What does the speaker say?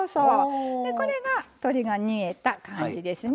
これが鶏が煮えた感じですね。